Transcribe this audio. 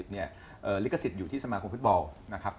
ลิขสิทธิ์อยู่ที่สมาคมฟุตบอลนะครับ